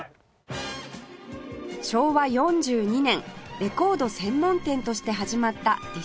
昭和４２年レコード専門店として始まったディスクユニオン